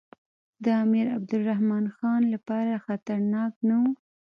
د امیر عبدالرحمن خان لپاره خطرناک نه وو.